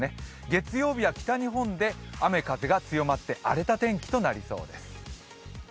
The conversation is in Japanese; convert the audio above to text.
月曜日は北日本で雨・風が強まって荒れた天気となりそうです。